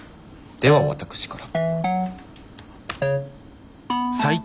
では私から。